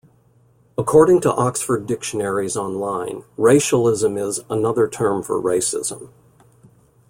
According to Oxford Dictionaries Online, racialism is "another term for racism".